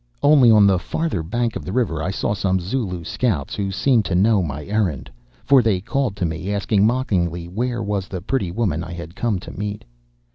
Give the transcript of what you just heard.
Only on the farther bank of the river I saw some Zulu scouts who seemed to know my errand, for they called to me, asking mockingly where was the pretty woman I had come to meet?